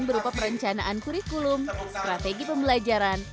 berupa perencanaan kurikulum strategi pembelajaran